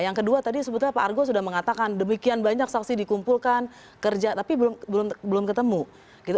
yang kedua tadi sebetulnya pak argo sudah mengatakan demikian banyak saksi dikumpulkan kerja tapi belum ketemu gitu